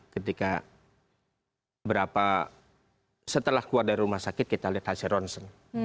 ketika setelah keluar dari rumah sakit kita lihat hasil ronsen